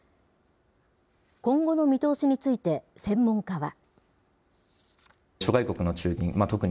今後の見通しについて、専門家は。